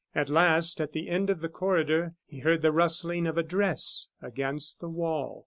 At last, at the end of the corridor, he heard the rustling of a dress against the wall.